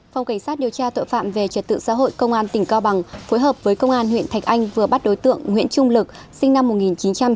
phòng cảnh sát điều tra tội phạm về trật tự xã hội công an tỉnh cao bằng phối hợp với công an huyện thạch anh vừa bắt đối tượng nguyễn trung lực sinh năm một nghìn chín trăm tám mươi